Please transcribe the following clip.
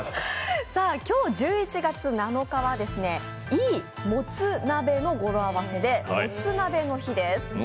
今日１１月７日は、いいもつなべの語呂合わせでもつ鍋の日です。